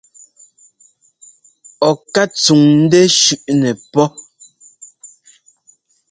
Ɔ ká tsúŋ ńdɛ́ shʉʼnɛ pó.